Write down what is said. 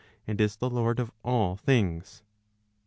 I and is the lord of all things.